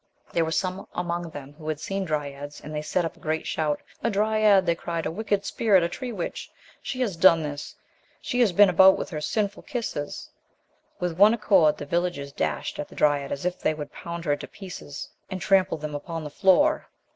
There were some among them who had seen dryads and they set up a great shout. "A dryad!" they cried, "a wick ed spirit, a tree witch! She has done this ! She has been about with her sin ful kisses." With one accord the villagers dashed at the dryad as if they would pound her into pieces and trample them 26 THE LOST DRYAD upon the floor.